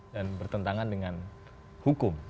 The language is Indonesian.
dan bertentangan dengan hukum